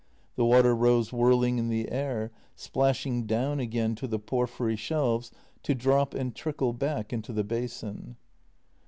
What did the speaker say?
The water rose whirling in the air, splashing down again to the porphyry shelves to drop and trickle back into the basin.